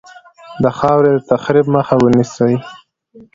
د خاورې د تخریب مخه ونیسي.